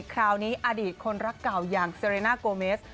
คราวนี้อดีตคนรักเก่าอย่างเซเรน่าโกเมส